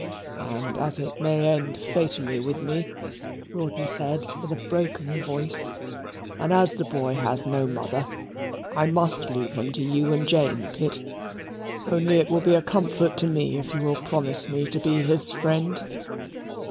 "And as it may end fatally with me," Rawdon said with a broken voice, "and as the boy has no mother, I must leave him to you and Jane, Pitt only it will be a comfort to me if you will promise me to be his friend."